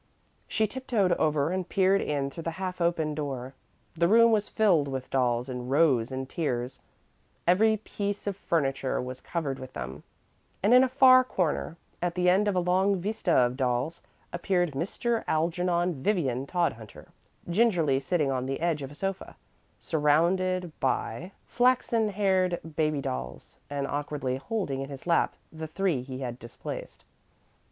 She tiptoed over and peered in through the half open door. The room was filled with dolls in rows and tiers; every piece of furniture was covered with them; and in a far corner, at the end of a long vista of dolls, appeared Mr. Algernon Vivian Todhunter, gingerly sitting on the edge of a sofa, surrounded by flaxen haired baby dolls, and awkwardly holding in his lap the three he had displaced.